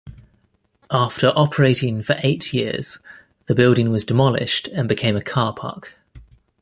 After operating for eight years, the building was demolished and became a carpark.